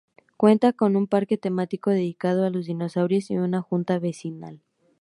Cuenta con un parque temático dedicado a los dinosaurios, y una junta vecinal.